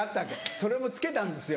それも付けたんですよ